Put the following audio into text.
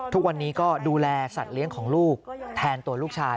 ทุกวันนี้ก็ดูแลสัตว์เลี้ยงของลูกแทนตัวลูกชาย